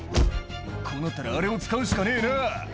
「こうなったらあれを使うしかねえな」